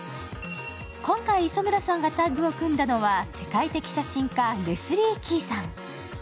今回、磯村さんがタッグを組んだのは世界的写真家レスリー・キーさん。